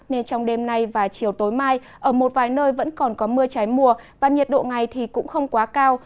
nên trong đêm nay và chiều tối mai ở một vài nơi vẫn còn có mưa trái mùa và nhiệt độ ngày thì cũng không quá cao